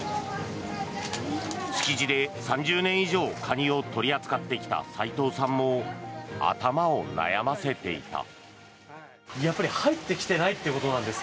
築地で３０年以上カニを取り扱ってきた斎藤さんも頭を悩ませていた。